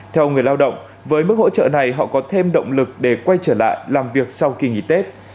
theo người lao động với mức hỗ trợ này họ có thêm động lực để quay trở lại làm việc sau kỳ nghỉ tết